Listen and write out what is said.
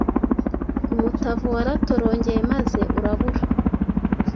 umutavu waratorongeye maze urabura